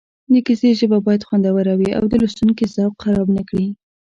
د کیسې ژبه باید خوندوره وي او د لوستونکي ذوق خراب نه کړي